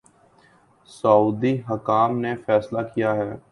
سعودی حکام نے فیصلہ کیا ہے